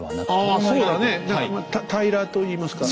何か平らといいますか。